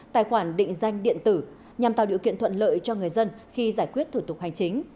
tài khoản định danh điện tử nhằm tạo điều kiện thuận lợi cho người dân khi giải quyết thủ tục hành chính